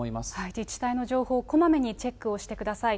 自治体の情報をこまめにチェックをしてください。